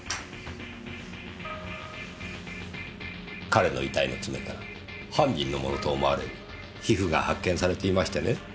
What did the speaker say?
彼の遺体の爪から犯人のものと思われる皮膚が発見されていましてね。